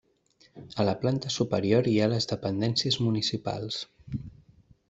A la planta superior hi ha les dependències municipals.